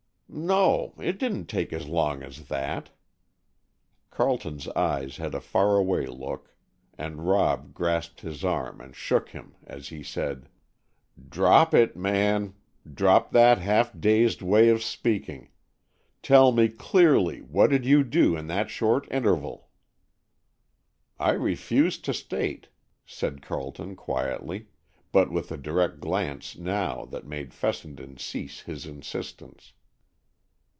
"No,—it didn't take as long as that." Carleton's eyes had a far away look, and Rob grasped his arm and shook him, as he said: "Drop it, man! Drop that half dazed way of speaking! Tell me, clearly, what did you do in that short interval?" "I refuse to state," said Carleton quietly, but with a direct glance now that made Fessenden cease his insistence.